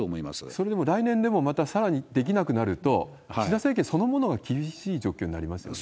それでも、来年、でも、またさらにできなくなると、岸田政権そのものが厳しい状況になりますよね。